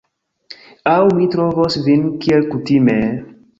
Aŭ mi trovos vin kiel kutime...